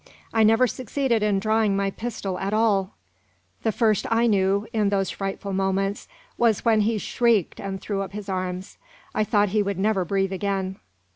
I never succeeded in drawing my pistol at all. The first I knew, in those frightful moments, was when he shrieked and threw up his arms. I thought he would never breathe again."